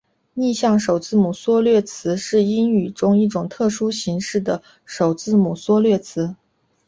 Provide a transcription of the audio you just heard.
逆向首字母缩略词是英语中一种特殊形式的首字母缩略词。